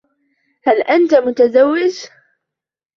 هل انت متزوج ؟